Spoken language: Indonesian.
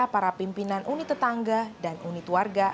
para pimpinan unit tetangga dan unit warga